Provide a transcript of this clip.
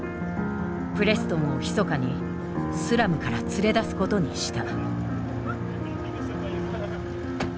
プレストンをひそかにスラムから連れ出すことにした。